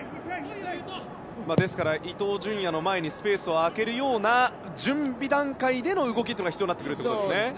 ですから、伊東純也の前にスペースを空けるような準備段階での動きが必要になってくるということですね。